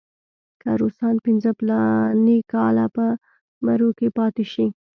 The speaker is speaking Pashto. که روسان پنځه فلاني کاله په مرو کې پاتې شي.